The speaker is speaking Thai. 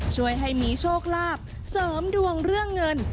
ช่วยให้มีโชคลาภเสริมดวงเรื่องเงิน